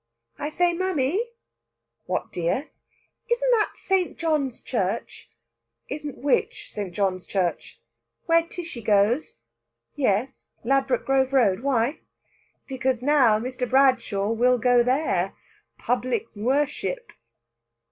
"I say, mammy!" "What, dear?" "Isn't that St. John's Church?" "Isn't which St. John's Church?" "Where Tishy goes?" "Yes, Ladbroke Grove Road. Why?" "Because now Mr. Bradshaw will go there public worship!"